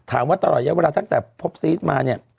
ถามว่าตลอดเยอะวันตั้งแต่พบซีสมาเนี่ย